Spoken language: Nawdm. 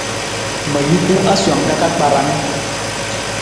Ma juku asowang ka ka kparang.